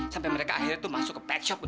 sampai mereka akhirnya tuh masuk ke tempat lain